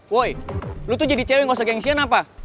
woy lu tuh jadi cewek gak usah gengsian apa